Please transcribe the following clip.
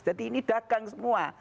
jadi ini dagang semua